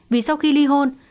vì sau khi ly hôn